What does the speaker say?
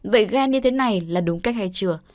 vậy ghen như thế này là đúng cách hay chưa